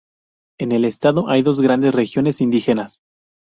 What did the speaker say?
En el estado hay dos grandes regiones indígenas.